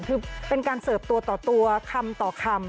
คือเป็นการเสิร์ฟตัวต่อตัวคำต่อคำ